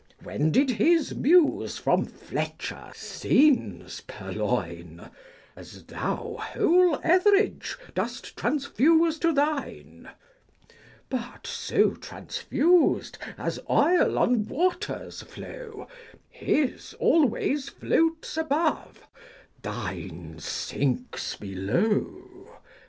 When did his muse from Fletcher scenes purloin, As thou whole Etheridge dost transfuse to thine 1 But so transfused, as oil and waters flow, His always floats above, thine sinks below.